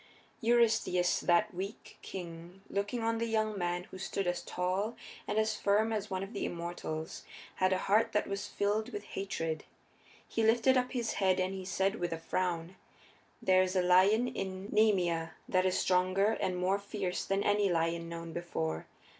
Eurystheus, that weak king, looking on the young man who stood as tall and as firm as one of the immortals, had a heart that was filled with hatred. He lifted up his head and he said with a frown: "There is a lion in Nemea that is stronger and more fierce than any lion known before.